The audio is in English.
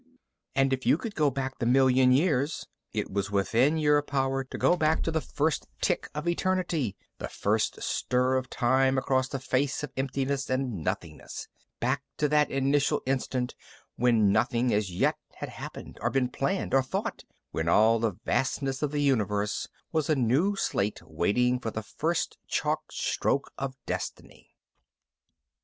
And if you could go back the million years, it was within your power to go back to the first tick of eternity, the first stir of time across the face of emptiness and nothingness back to that initial instant when nothing as yet had happened or been planned or thought, when all the vastness of the Universe was a new slate waiting the first chalk stroke of destiny.